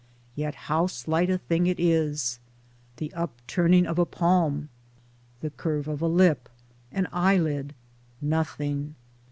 Yet how slight a thing it is. The upturning of a palm? the curve of a lip, an eyelid ? Nothing.